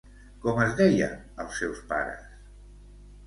Com es deien els seus pares?